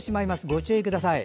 ご注意ください。